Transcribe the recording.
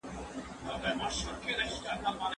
د لیکوالو تلینونه باید په دوامدار ډول یاد شي.